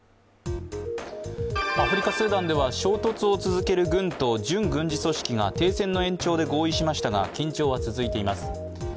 アフリカ・スーダンでは、衝突を続ける軍と準軍事組織が停戦の延長で合意しましたが緊張は続いています。